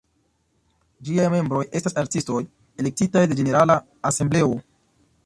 Ĝiaj membroj estas artistoj elektitaj de ĝenerala asembleo.